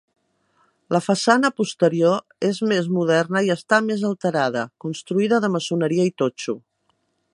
La façana posterior és més moderna i està més alterada, construïda de maçoneria i totxo.